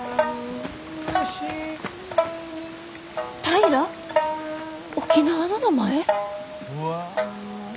・平良沖縄の名前！？